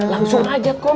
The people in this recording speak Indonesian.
langsung aja kum